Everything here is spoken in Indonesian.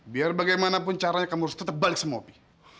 biar bagaimanapun caranya kamu harus tetap balik sama be